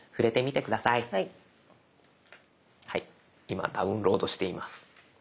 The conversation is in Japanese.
今ダウンロードしています。